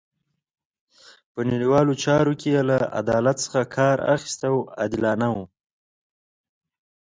په نړیوالو چارو کې یې له عدالت څخه کار اخیست او عادلانه وو.